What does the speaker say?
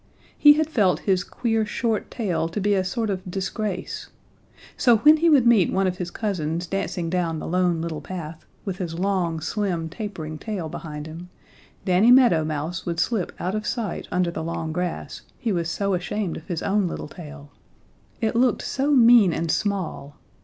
He had felt his queer short tail to be a sort of disgrace. So when he would meet one of his cousins dancing down the Lone Little Path, with his long, slim, tapering tail behind him, Danny Meadow Mouse would slip out of sight under the long grass, he was so ashamed of his own little tail. It looked so mean and small!